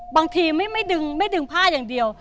บางทีไม่ดึงผ้าอย่างเดียว